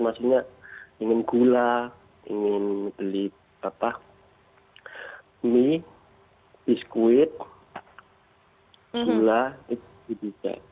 maksudnya ingin gula ingin beli mie biskuit gula itu lebih baik